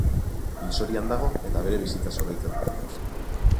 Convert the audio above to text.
Hilzorian dago eta bere bizitzaz oroitzen da.